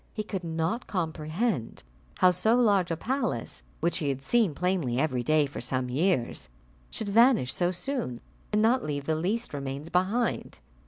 He could not comprehend how so large a palace which he had seen plainly every day for some years, should vanish so soon, and not leave the least remains behind.